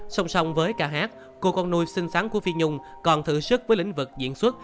song song với ca hát cô con nuôi xinh sáng của phi nhung còn thử sức với lĩnh vực diễn xuất